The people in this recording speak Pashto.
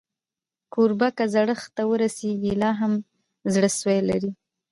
کوربه که زړښت ته ورسېږي، لا هم زړهسوی لري.